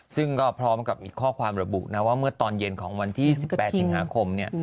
ซึ่งก็พร้อมกับมีข้อความระบุนะว่าเมื่อตอนเย็นของวันที่๑๘สิงหาคมเนี่ย